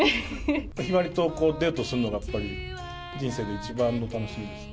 向日葵とデートするのがやっぱり人生で一番の楽しみです。